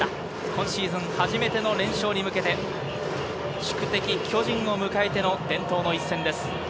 今シーズン初めての連勝に向けて、宿敵・巨人を迎えての伝統の一戦です。